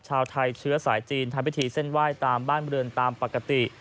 ชาวไทยเชื้อสายจีนทำพิธีเส้นไหว้ตามบ้านเรือนตามปกติ